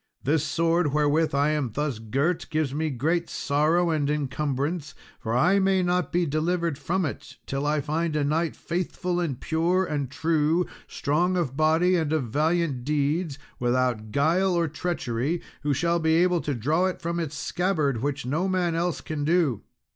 This sword wherewith I am thus girt gives me great sorrow and encumbrance, for I may not be delivered from it till I find a knight faithful and pure and true, strong of body and of valiant deeds, without guile or treachery, who shall be able to draw it from its scabbard, which no man else can do.